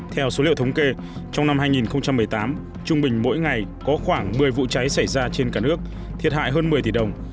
theo số liệu thống kê trong năm hai nghìn một mươi tám trung bình mỗi ngày có khoảng một mươi vụ cháy xảy ra trên cả nước thiệt hại hơn một mươi tỷ đồng